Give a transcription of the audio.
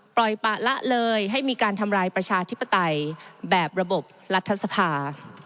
ปล่อยปะละเลยให้มีการทำลายประชาธิปไตยแบบระบบรัฐสภา